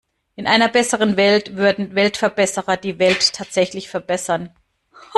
In einer besseren Welt würden Weltverbesserer die Welt tatsächlich verbessern.